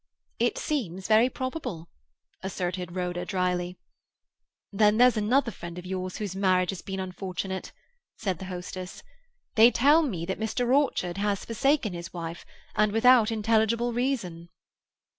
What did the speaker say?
"It seems very probable," asserted Rhoda dryly. "Then there's another friend of yours whose marriage has been unfortunate," said the hostess. "They tell me that Mr. Orchard has forsaken his wife, and without intelligible reason."